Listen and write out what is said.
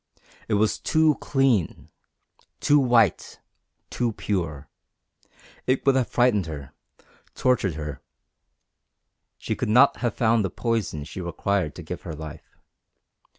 It was too clean. Too white. Too pure. It would have frightened her, tortured her. She could not have found the poison she required to give her life.